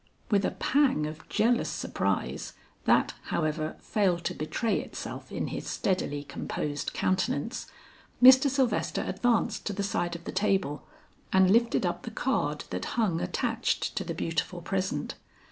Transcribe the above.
With a pang of jealous surprise, that, however, failed to betray itself in his steadily composed countenance, Mr. Sylvester advanced to the side of the table, and lifted up the card that hung attached to the beautiful present.